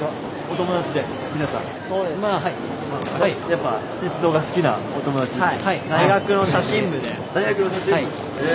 やっぱり鉄道が好きなお友達ですよね？